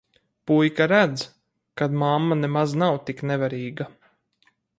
Puika redz, kad mamma nemaz nav tik nevarīga.